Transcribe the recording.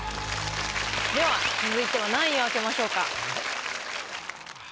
では続いては何位を開けましょうか？